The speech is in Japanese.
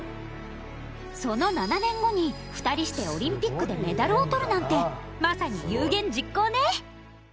その７年後に２人して、オリンピックでメダルを取るなんてまさに有言実行ね。